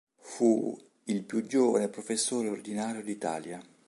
Fu il più giovane professore ordinario d'Italia.